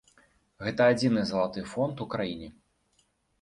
Гэта адзіны залаты фонд у краіне.